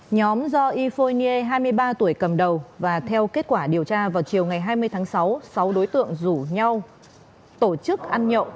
nhóm do yphone nghê hai mươi ba tuổi cầm đầu và theo kết quả điều tra vào chiều ngày hai mươi tháng sáu sáu đối tượng rủ nhau tổ chức ăn nhậu